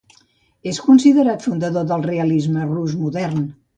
És considerat fundador del realisme rus modern.